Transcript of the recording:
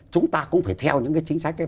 chúng ta cũng phải theo những cái chính sách ấy